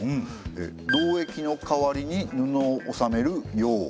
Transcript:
労役の代わりに布を納める庸。